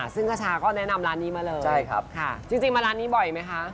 ซึ่งคชาก็แนะนำร้านนี้มาเลยจริงมาร้านนี้บ่อยไหมคะ